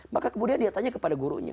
maka kemudian dia tanya kepada gurunya